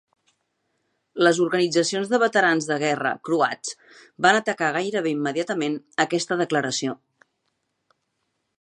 Les organitzacions de veterans de guerra croats van atacar gairebé immediatament aquesta declaració.